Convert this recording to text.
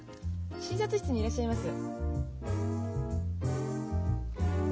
診察室にいらっしゃいますよ。